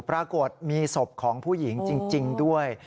ปรากฏมีศพของผู้หญิงจริงด้วย